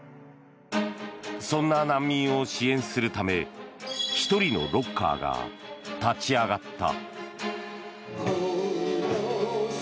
そんな難民を支援するため１人のロッカーが立ち上がった。